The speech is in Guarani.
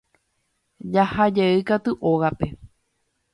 Jahajey katu ógape.